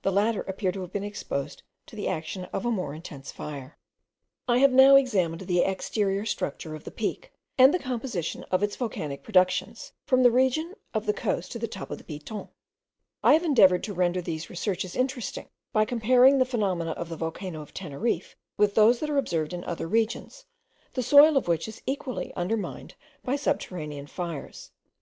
The latter appear to have been exposed to the action of a more intense fire. I have now examined the exterior structure of the Peak, and the composition of its volcanic productions, from the region of the coast to the top of the Piton: I have endeavoured to render these researches interesting, by comparing the phenomena of the volcano of Teneriffe with those that are observed in other regions, the soil of which is equally undermined by subterranean fires.